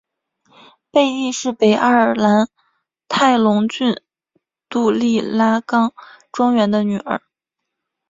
贝蒂是北爱尔兰泰隆郡杜利拉冈庄园的女儿。